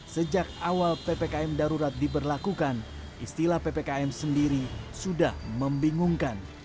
sejak awal ppkm darurat diberlakukan istilah ppkm sendiri sudah membingungkan